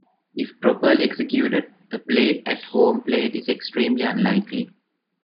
If properly executed, a play at home plate is extremely unlikely.